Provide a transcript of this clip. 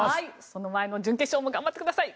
その前の準決勝も頑張ってください。